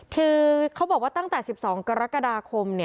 คือเขาบอกว่าตั้งแต่๑๒กรกฎาคม